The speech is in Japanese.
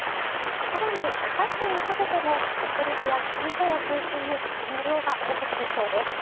さらにあさってにかけても北陸や北日本を中心に雪の量が多くなりそうです